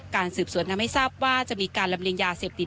การสืบสวนทำให้ทราบว่าจะมีการลำเลียงยาเสพติด